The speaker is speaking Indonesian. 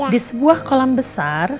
di sebuah kolam besar